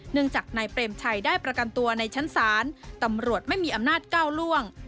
จากนายเปรมชัยได้ประกันตัวในชั้นศาลตำรวจไม่มีอำนาจก้าวล่วง